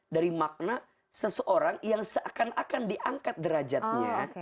dari makna seseorang yang seakan akan diangkat derajatnya